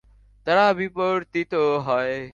তারা বিবর্তিত হয়।